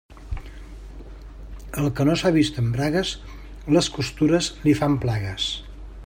El que no s'ha vist en bragues, les costures li fan plagues.